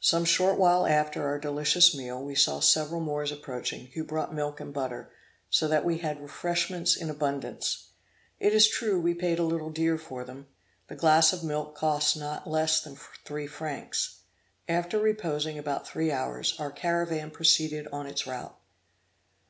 Some short while after our delicious meal, we saw several Moors approaching, who brought milk and butter, so that we had refreshments in abundance. It is true we paid a little dear for them; the glass of milk cost not less than three francs. After reposing about three hours, our caravan proceeded on its route.